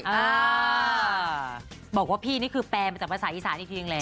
อ่าบอกว่าพี่นี่คือแปลมาจากภาษาอีสานอีกทีหนึ่งแหละ